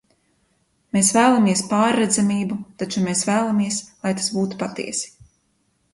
Mēs vēlamies pārredzamību, taču mēs vēlamies, lai tas būtu patiesi.